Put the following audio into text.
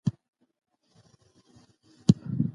چپرهار ولسوالۍ کې مومند استوګن دي.